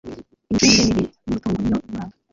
imicungire mibi y’ umutungo niyo imuranga